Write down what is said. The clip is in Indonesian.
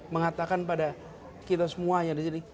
mengatakan pada kita semuanya di sini